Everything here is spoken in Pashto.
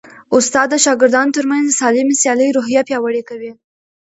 استاد د شاګردانو ترمنځ د سالمې سیالۍ روحیه پیاوړې کوي.